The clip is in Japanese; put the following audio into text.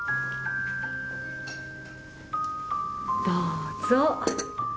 どうぞ。